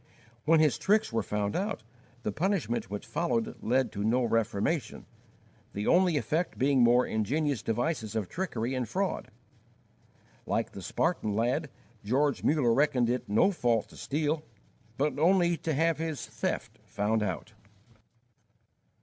When his tricks were found out, the punishment which followed led to no reformation, the only effect being more ingenious devices of trickery and fraud. Like the Spartan lad, George Muller reckoned it no fault to steal, but only to have his theft found out.